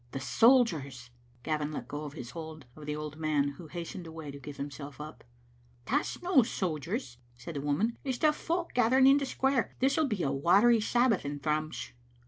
" The soldiers !" Gavin let go his hold of the old man, who hastened away to give himself up. " That's no the sojers," said a woman; " it's the folk^ gathering in the square. This'll be a watery Sabbath in Thrums."